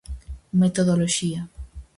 Metodoloxía.